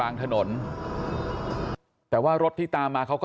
วันนี้เราจะมาเมื่อไหร่